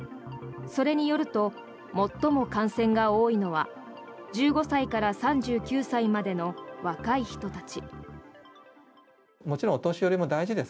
それによると最も感染が多いのは１５歳から３９歳までの若い人たち。